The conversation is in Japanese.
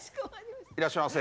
いらっしゃいませ。